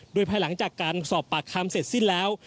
โดยภายหลังจากการสอบปากคำเสร็จสิ้นแล้ว